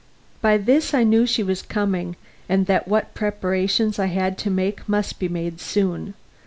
By this I knew she was coming, and that what preparations I had to make must be made soon.